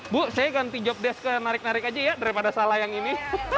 bu saya ganti job desk ke narik narik aja ya daripada salah yang ini